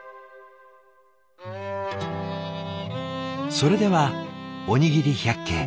それではおにぎり百景。